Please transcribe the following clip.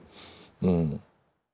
うん。